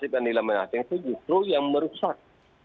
asib asib yang dilaminating itu justru yang merusak